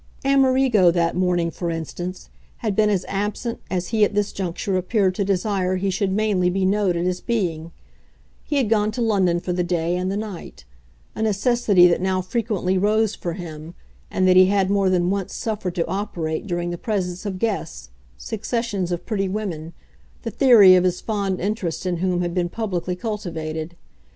Amerigo, that morning, for instance, had been as absent as he at this juncture appeared to desire he should mainly be noted as being; he had gone to London for the day and the night a necessity that now frequently rose for him and that he had more than once suffered to operate during the presence of guests, successions of pretty women, the theory of his fond interest in whom had been publicly cultivated.